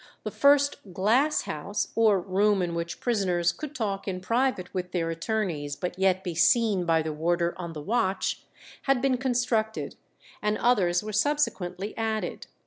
The first "glass house," or room in which prisoners could talk in private with their attorneys, but yet be seen by the warder on the watch, had been constructed, and others were subsequently added.